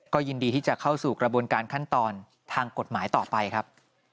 ก็ยินดีที่จะเข้าสู่กระบวนการขั้นตอนทางกฎหมายต่อไปครับ